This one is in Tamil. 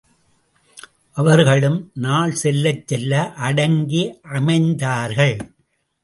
அவர்களும் நாள் செல்லச்செல்ல அடங்கி அமைந்தார்கள்.